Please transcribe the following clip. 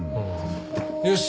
よし。